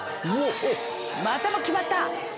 またも決まった！